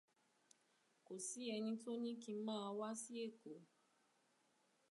Kò sí ẹni tó ní kí ń má wá sí Èkó.